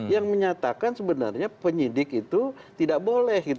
yang menyatakan sebenarnya penyidik itu tidak boleh